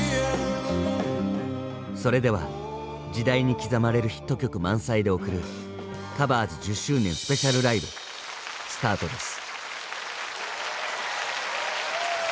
それでは時代に刻まれるヒット曲満載で送る「カバーズ」１０周年スペシャルライブスタートです！